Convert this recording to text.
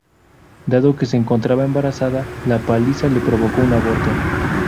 Dado que se encontraba embarazada, la paliza le provocó un aborto.